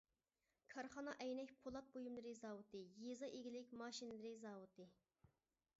كارخانا ئەينەك پولات بۇيۇملىرى زاۋۇتى يېزا ئىگىلىك ماشىنىلىرى زاۋۇتى.